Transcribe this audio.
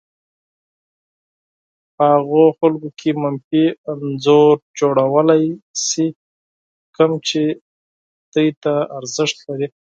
په هغو خلکو کې منفي انځور جوړولای شي کوم چې تاسې ته ارزښت لري.